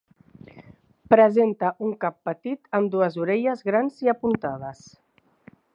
Presenta un cap petit amb dues orelles grans i apuntades.